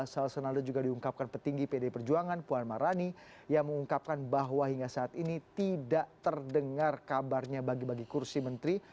sal senada juga diungkapkan petinggi pdi perjuangan puan marani yang mengungkapkan bahwa hingga saat ini tidak terdengar kabarnya bagi bagi kursi menteri